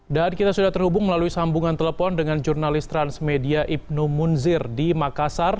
dan kita sudah terhubung melalui sambungan telepon dengan jurnalis transmedia ibnu munzir di makassar